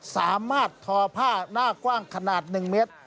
สามารถทอผ้าหน้ากว้างขนาด๑เมตร